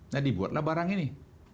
nah dibuatlah barang ini